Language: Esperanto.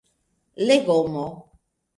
legomo